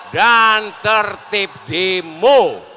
dan tertib dimu